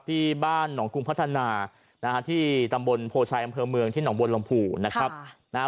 ที่บ้านหนองกรุงพัฒนานะฮะที่ตำบลโพชัยอำเภอเมืองที่หนองบวนลมภูนะครับนะฮะ